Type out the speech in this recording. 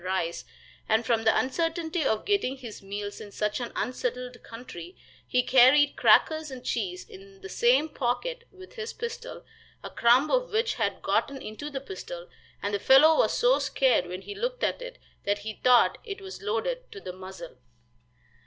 Rice, and from the uncertainty of getting his meals in such an unsettled country, he carried crackers and cheese in the same pocket with his pistol, a crumb of which had gotten into the pistol, and the fellow was so scared when he looked at it, that he thought it was loaded to the muzzle.